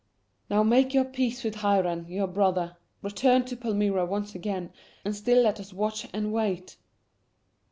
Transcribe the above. "Now make your peace with Hairan, your brother; return to Palmyra once again, and still let us watch and wait."